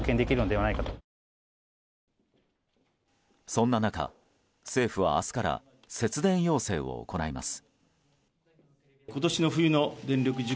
そんな中、政府は明日から節電要請を行います。